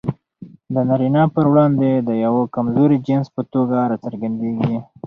د نارينه پر وړاندې د يوه کمزوري جنس په توګه راڅرګندېږي.